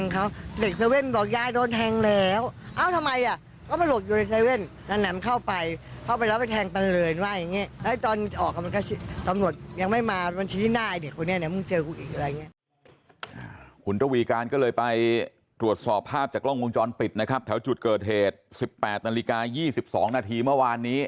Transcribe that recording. คุณระวีการก็เลยไปตรวจสอบภาพจากกล้องวงจรปิดนะครับแถวจุดเกิดเหตุ๑๘นาฬิกา๒๒นาทีเมื่อวานนี้